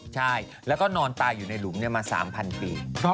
ใช่แล้วก็นอนตายอยู่ในหลุมมา๓๐๐ปี